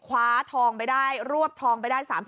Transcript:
คว้าทองไปได้รวบทองไปได้๓๐